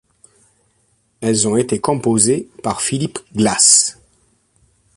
Elles ont été composées par Philip Glass.